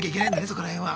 そこら辺は。